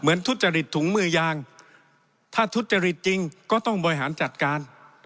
ทุจริตถุงมือยางถ้าทุจริตจริงก็ต้องบริหารจัดการ